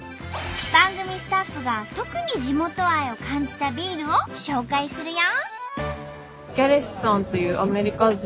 番組スタッフが特に地元愛を感じたビールを紹介するよ！